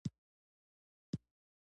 کورس د ځان جوړونې مرکز دی.